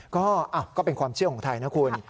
ก็เป็นความเชื่อของไทยนะคุณ